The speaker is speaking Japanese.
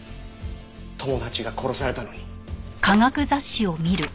友達が殺されたのに。